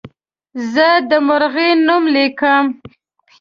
زه د مرغۍ نوم لیکم.